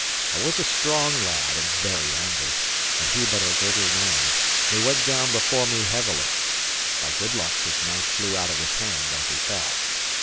I was a strong lad and very angry, and he but a little man; and he went down before me heavily. By good luck, his knife flew out of his hand as he fell.